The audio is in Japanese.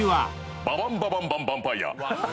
『ババンババンバンバンパイア』